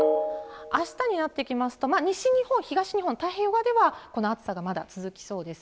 あしたになってきますと、西日本、東日本太平洋側では、この暑さがまだ続きそうです。